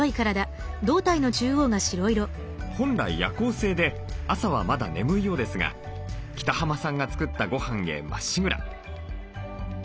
本来夜行性で朝はまだ眠いようですが北濱さんが作ったごはんへまっしぐら。